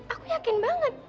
aku yakin banget